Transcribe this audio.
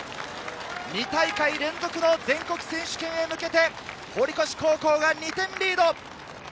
２大会連続の全国選手権へ向けて、堀越高校が２点リード。